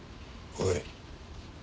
おい！